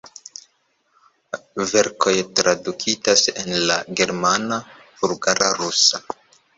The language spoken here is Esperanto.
Verkoj tradukitaj en la germana, bulgara, rusa.